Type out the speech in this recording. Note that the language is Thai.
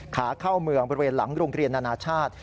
ขาเข้าเมืองบริเวณหลังโรงเรียนนานาชาติ